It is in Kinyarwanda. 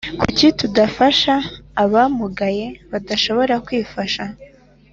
Kuki tudafasha aba mugaye badashoboye kw’ ifasha